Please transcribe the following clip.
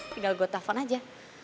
tinggal gue telfon aja